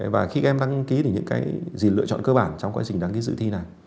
và khi em đăng ký thì những cái gì lựa chọn cơ bản trong quá trình đăng ký dự thi này